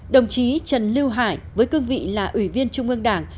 đồng chí trần lưu hải với cương vị là ủy viên trung ương đảng